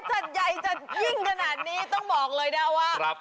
จัดใหญ่จัดยิ่งขนาดนี้ต้องบอกเลยนะว่า